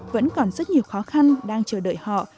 vẫn còn rất nhiều khó khăn đang chờ đợi họ